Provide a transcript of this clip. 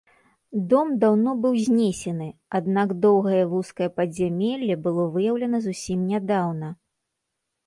Дом даўно быў знесены, аднак доўгае вузкае падзямелле было выяўлена зусім нядаўна.